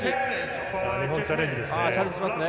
日本、チャレンジですね。